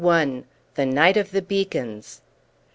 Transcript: THE NIGHT OF THE BEACONS.